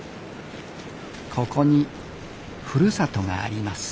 ここにふるさとがあります。